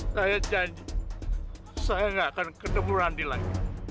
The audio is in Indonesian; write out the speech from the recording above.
saya janji saya gak akan ketemu randi lagi